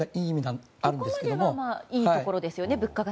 ここまではいいところですよね。